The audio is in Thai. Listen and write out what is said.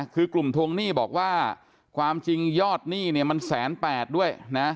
คือกลุ่มทวงหนี้บอกว่าความจริงยอดหนี้เนี่ยมัน๑๘๐๐ด้วยนะ